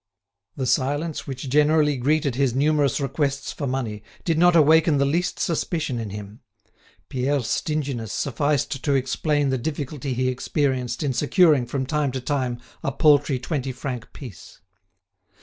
The silence which generally greeted his numerous requests for money did not awaken the least suspicion in him; Pierre's stinginess sufficed to explain the difficulty he experienced in securing from time to time a paltry twenty franc piece.